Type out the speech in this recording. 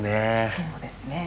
そうですね。